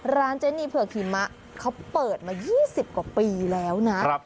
เจนีเผือกหิมะเขาเปิดมา๒๐กว่าปีแล้วนะ